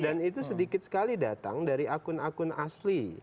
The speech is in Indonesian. dan itu sedikit sekali datang dari akun akun asli